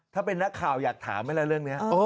ถ้าเป็นนักข่าวอยากถามไหมล่ะเรื่องนี้